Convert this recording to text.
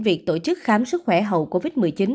việc tổ chức khám sức khỏe hậu covid một mươi chín